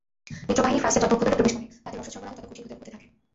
মিত্রবাহিনী ফ্রান্সের যত অভ্যন্তরে প্রবেশ করে তাদের রসদ সরবরাহ তত কঠিন হতে থাকে।